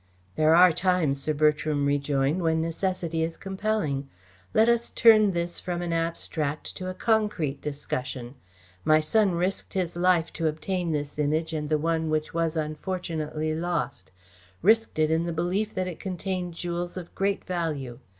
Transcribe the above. "There are times," Sir Bertram rejoined, "when necessity is compelling. Let us turn this from an abstract to a concrete discussion. My son risked his life to obtain this Image and the one which was unfortunately lost risked it in the belief that it contained jewels of great value.